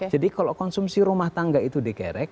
jadi kalau konsumsi rumah tangga itu dikerek